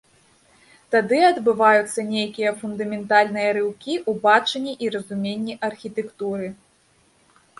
Тады адбываюцца нейкія фундаментальныя рыўкі ў бачанні і разуменні архітэктуры.